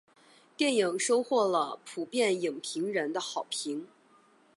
电影收获了普遍影评人的好评。